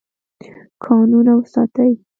کانونه وساتئ.